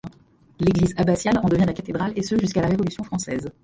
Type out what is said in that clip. L'église abbatiale en devient la cathédrale, et ce jusqu'à la Révolution française.